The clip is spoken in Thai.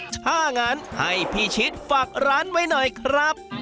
ถ้างั้นให้พี่ชิดฝากร้านไว้หน่อยครับ